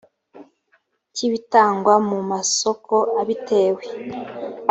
cy ibitangwa mu masoko abitewe